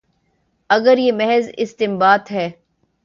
اگر یہ محض استنباط ہے۔